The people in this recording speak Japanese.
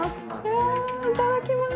いただきます。